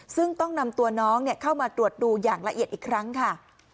ซึ่งต้องนำตัวน้องเข้ามาตรวจดูอย่างละเอียดอีกครั้งค่ะ